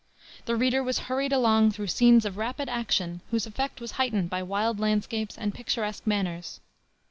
The reader was hurried along through scenes of rapid action, whose effect was heightened by wild landscapes and picturesque manners.